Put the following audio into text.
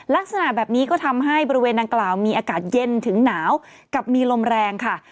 ลักษณะแบบนี้ก็ทำให้บริเวณดังกล่าวมีอากาศเย็นถึงหนาวกับมีลมแรงค่ะ